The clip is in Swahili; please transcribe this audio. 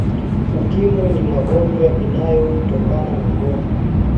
Ukimwi ni magonjwa inayo tokana na ngono